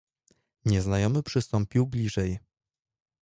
"Nieznajomy przystąpił bliżej."